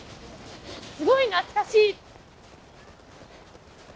すごい懐かしい！